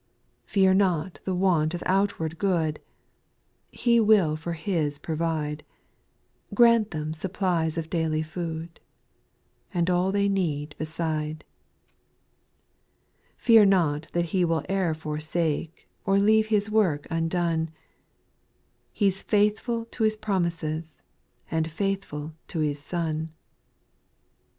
Fear not the want of outward good ; He will for His provide, Grant them supplies of daily food. And all they need beside. 4. Fear not that He will e'er forsake, Or leave His work undone ; He 's faithful to His promises, And faithful to His Son.